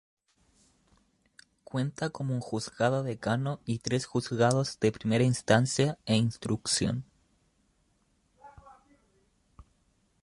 Cuenta con un Juzgado Decano y tres juzgados de Primera Instancia e Instrucción.